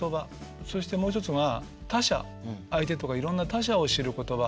そしてもう一つが他者相手とかいろんな他者を知る言葉。